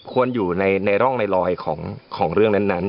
ควรอยู่ในร่องในรอยของเรื่องนั้น